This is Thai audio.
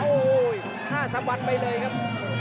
โอ้โหห้าสับวันไปเลยครับ